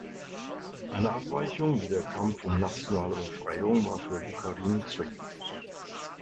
Eine Abweichung, wie der Kampf um nationale Befreiung, war für Bucharin zwecklos.